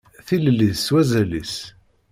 Tilelli s wazal-is.